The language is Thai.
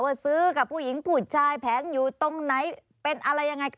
ซื้อกับผู้หญิงผู้ชายแผงอยู่ตรงไหนเป็นอะไรยังไง